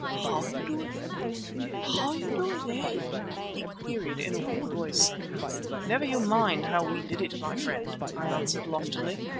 "How you do it? How you do it, eh?" he queried in a weak voice. "Never you mind how we did it, my friend," I answered loftily.